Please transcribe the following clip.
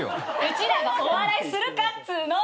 うちらがお笑いするかっつうの。